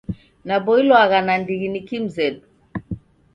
Naboilwagha nandighi ni kimzedu.